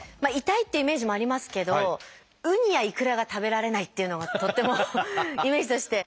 「痛い」っていうイメージもありますけどウニやイクラが食べられないっていうのがとってもイメージとして。